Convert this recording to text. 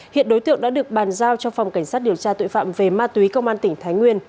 hiện đối tượng đã được bàn giao cho phòng cảnh sát điều tra tội phạm về ma túy công an tỉnh thái nguyên